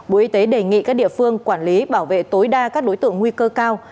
bộ y tế đề nghị các địa phương quản lý bảo vệ tối đa các đối tượng nguy cơ cao